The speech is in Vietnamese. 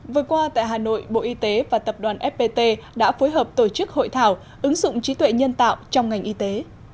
vừa qua tại hà nội bộ y tế và tập đoàn fpt đã phối hợp tổ chức hội thảo ứng dụng trí tuệ nhân tạo trong ngành y tế